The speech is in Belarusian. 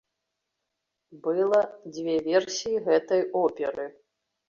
Была дзве версіі гэтай оперы.